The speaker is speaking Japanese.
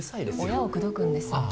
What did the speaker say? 親を口説くんですあ